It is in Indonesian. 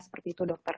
seperti itu dokter